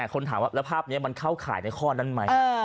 คนถามว่าแล้วภาพนี้มันเข้าข่ายในข้อนั้นไหม